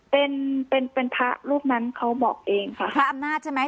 เป็นเป็นพระรูปนั้นเขาบอกเองค่ะพระอำนาจใช่ไหม